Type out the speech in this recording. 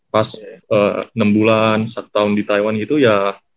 pas enam bulan satu tahun di taiwan gitu ya